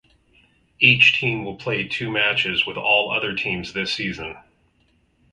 Each team will play two matches with all other teams this season.